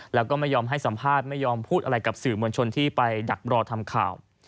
แล้วก็ไม่ยอมให้สัมภาษณ์ไม่ยอมพูดอะไรกับสื่อมวลชนที่ไปดักรอทำข่าว